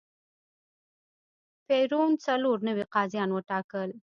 پېرون څلور نوي قاضیان وټاکل.